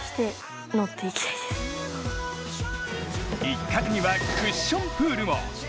一角にはクッションプールも。